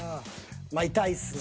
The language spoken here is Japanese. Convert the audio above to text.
まあ痛いっすね。